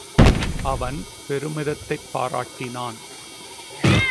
அவன் பெருமிதத்தைப் பாராட் டினான்.